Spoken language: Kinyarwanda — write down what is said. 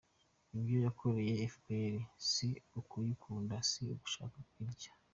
Ibyo yakoreye fpr si ukuyikunda ni ugushaka indya.